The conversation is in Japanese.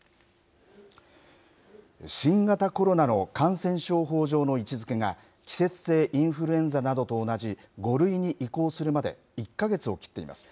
新型コロナの感染症法上の位置づけが、季節性インフルエンザなどと同じ５類に移行するまで１か月を切っています。